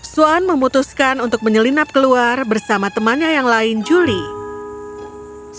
swan memutuskan untuk menyelinap keluar bersama temannya yang lain julie